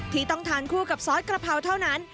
ที่ต้องทานคู่กับซอสกระเพราเท่านั้น